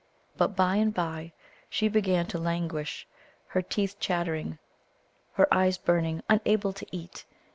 But by and by she began to languish, her teeth chattering, her eyes burning, unable to eat....